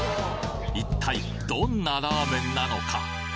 一体どんなラーメンなのか？